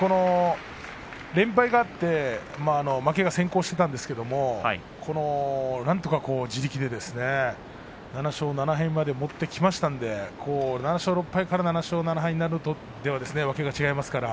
連敗があって負けが先行していたんですけれどもなんとかこの地力で７勝７敗まで持ってきましたので７勝６敗から７勝７敗になるとわけが違います。